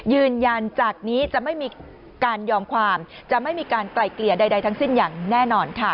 ยืนยันจากนี้จะไม่มีการยอมความจะไม่มีการไกลเกลี่ยใดทั้งสิ้นอย่างแน่นอนค่ะ